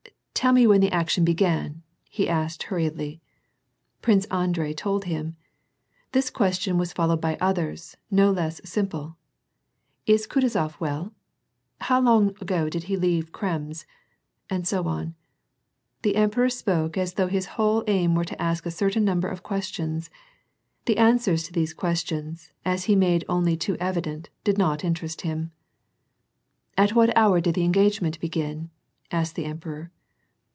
"Tell me when the action began," he asked hurriedly. Prince Andrei told him. This question was followed by others, no less simple :" Is Kutuzof well ? How long ago did he leave Krems ?" and so on. The emperor spoke as though his whole aim were to ask a certain number of ques tions. The answers to these questions, as he made only too evident, did not interest him. "At what hour did the engagement begin?" asked the emperor.